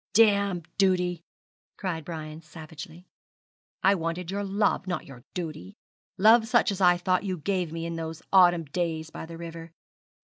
'Damn duty!' cried Brian, savagely. 'I wanted your love, not your duty love such as I thought you gave me in those autumn days by the river.